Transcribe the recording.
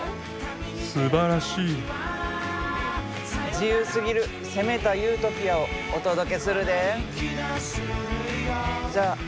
自由すぎる攻めたユートピアをお届けするで。